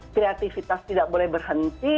kreativitas tidak boleh berhenti